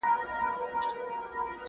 په یوه کلي کي له ښاره څخه لیري لیري!